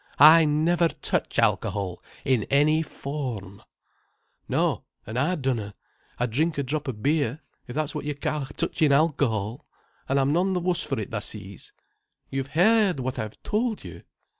I never touch alcohol in any form." "No, an' I dunna. I drink a drop o' beer, if that's what you ca' touchin' alcohol. An' I'm none th' wuss for it, tha sees." "You've heard what I've told you."